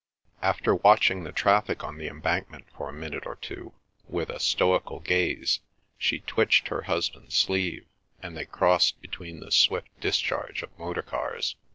After watching the traffic on the Embankment for a minute or two with a stoical gaze she twitched her husband's sleeve, and they crossed between the swift discharge of motor cars.